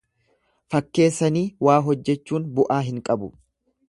Fakkeessanii waa hojjechuun bu'aa hin qabu.